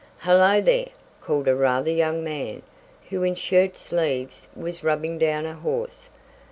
"Hello, there!" called a rather young man, who in shirt sleeves, was rubbing down a horse.